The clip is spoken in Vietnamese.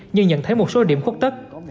nhưng nhận thấy một số điểm khuất tất